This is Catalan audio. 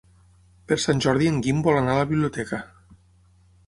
Per Sant Jordi en Guim vol anar a la biblioteca.